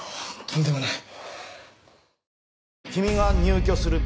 とんでもない。